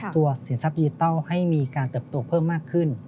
เสียทรัพดิจิทัลให้มีการเติบโตเพิ่มมากขึ้น